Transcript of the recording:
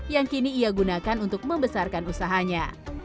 yang kini ia gunakan untuk membesarkan usahanya